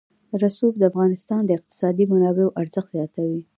رسوب د افغانستان د اقتصادي منابعو ارزښت زیاتوي.